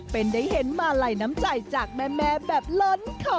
เป็นได้เห็นมาลัยน้ำใจจากแม่แบบล้นคอ